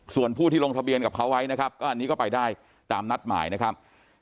ส่วนผู้ที่ลงทะเบียนกับเขาไว้นะครับก็อันนี้ก็ไปได้ตามนัดหมายนะครับ